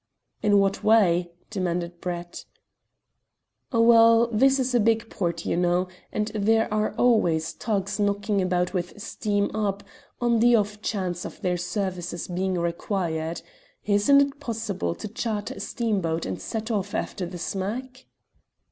"In what way?" demanded Brett. "Well, this is a big port, you know, and there are always tugs knocking about with steam up, on the off chance of their services being required. Isn't it possible to charter a steamboat and set off after the smack?"